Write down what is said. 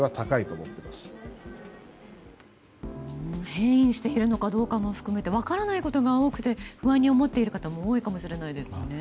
変異しているのかどうかも含めて分からないことが多くて不安に思っている方も多いかもしれないですよね。